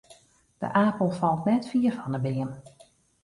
De apel falt net fier fan 'e beam.